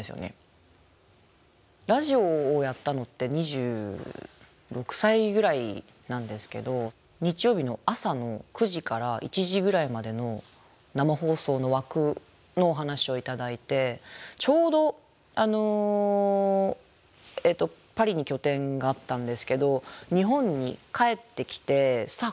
ラジオをやったのって２６歳ぐらいなんですけど日曜日の朝の９時から１時ぐらいまでの生放送の枠のお話を頂いてちょうどパリに拠点があったんですけど日本に帰ってきてさあ